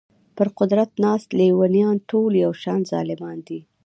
پر قدرت ناست لېونیان ټول یو شان ظالمان دي.